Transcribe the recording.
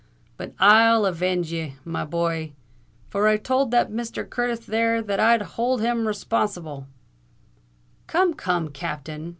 But I'll avenge ye, my boy—for I tould that Misther Curtis there that I'd hould him responsible——" "Come, come, Captain!"